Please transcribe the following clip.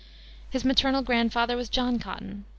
His maternal grandfather was John Cotton.